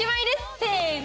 せの。